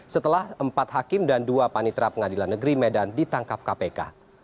setelah empat hakim dan dua panitra pengadilan negeri medan ditangkap kpk